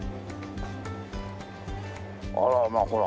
あらまあほら。